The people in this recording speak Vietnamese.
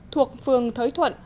thuộc phường thới thuận